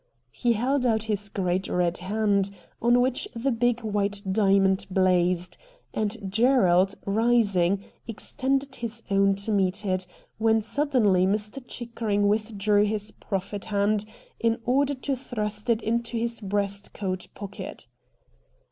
He held out his great red hand, on which the big white diamond blazed, and Gerald, rising, extended his own to meet it, when sud denly Mr. Chickering withdrew his proffered hand in order to thrust it into his breast coat pocket.